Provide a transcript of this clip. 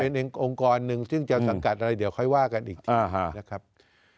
เป็นองค์กรหนึ่งซึ่งจะสังกัดอะไรเดี๋ยวค่อยว่ากันอีกทีนะครับ